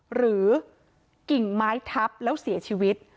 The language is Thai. กิ่งไม้ทับแล้วเสียชีวิต